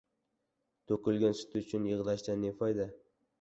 • To‘kilgan sut uchun yig‘lashdan ne foyda?